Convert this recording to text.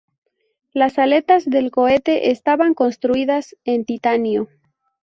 Las aletas del cohete estaban construidas en titanio.